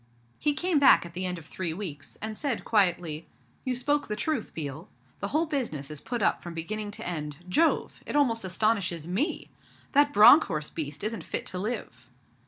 He came back at the end of three weeks, and said quietly, 'You spoke the truth, Biel. The whole business is put up from beginning to end. Jove! It almost astonishes me! That Bronckhorst beast isn't fit to live.'